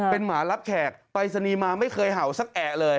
เป็นหมารับแขกไปสนีมาไม่เคยเห่าสักแอเลย